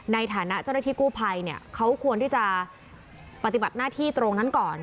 ในฐานะเจ้าหน้าที่กู้ภัยเนี่ยเขาควรที่จะปฏิบัติหน้าที่ตรงนั้นก่อน